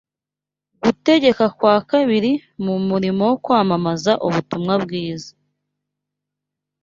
Gutegeka kwa kabiriMu murimo wo kwamamaza ubutumwa bwiza